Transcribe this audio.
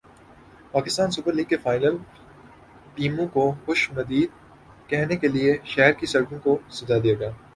Pakistan super league کا final ٹیموں کو خوش مدید کہنے کے لئے شہر کی سڑکوں کوسجا دیا گیا